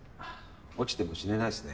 落ちても死ねないっすね。